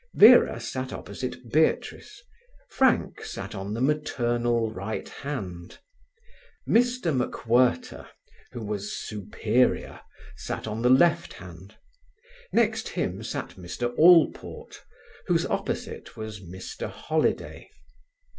Vera sat opposite Beatrice, Frank sat on the maternal right hand; Mr MacWhirter, who was superior, sat on the left hand; next him sat Mr Allport, whose opposite was Mr Holiday.